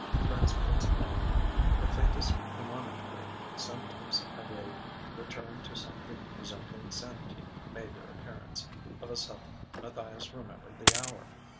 Transports ebbed: the faintest premonitory symptoms of a return to something resembling sanity made their appearance; of a sudden Matthias remembered the hour.